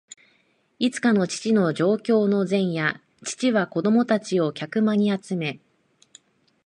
いつかの父の上京の前夜、父は子供たちを客間に集め、